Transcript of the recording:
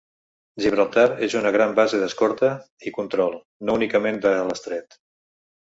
Gibraltar és una gran base d’escorta i control, no únicament de l’estret.